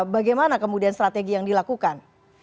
bagaimana kemudian strategi yang dilakukan